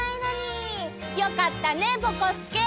よかったねぼこすけ！